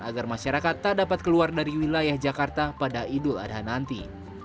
agar masyarakat tak dapat keluar dari wilayah jakarta pada idul adha nanti